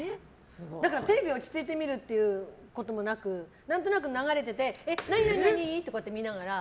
だからテレビ落ち着いて見るってこともなく何となく流れてて何々？って見ながら。